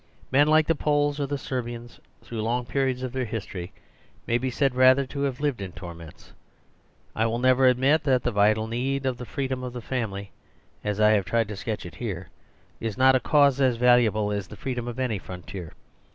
Men like the Poles or the Ser bians, through long periods of their history, may be said rather to have lived in torments. I will never admit that the vital need of the freedom of the family, as I have tried to sketch it here, is not a cause as valuable as the free dom of any frontier.